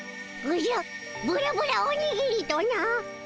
おじゃぶらぶらおにぎりとな。